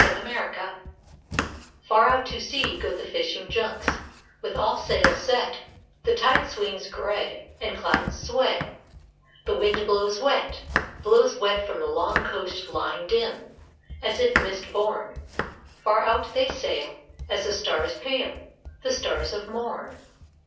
UNDER THE SKY Far out to sea go the fishing junks, With all sails set, The tide swings gray and the clouds sway, The wind blows wet; Blows wet from the long coast lying dim As if mist born. Far out they sail, as the stars pale, The stars of morn.